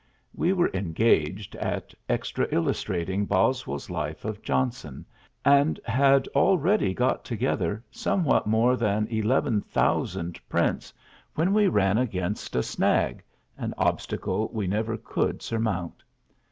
We were engaged at extra illustrating Boswell's life of Johnson, and had already got together somewhat more than eleven thousand prints when we ran against a snag, an obstacle we never could surmount.